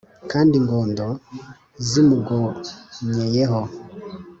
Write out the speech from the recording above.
kandi ingondo zimugonyeye ho